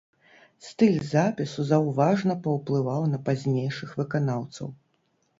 Стыль запісу заўважна паўплываў на пазнейшых выканаўцаў.